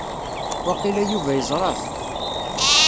Waqila Yuba yeẓra-t.